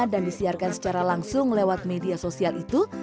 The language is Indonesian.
dan disiarkan secara langsung lewat media sosial itu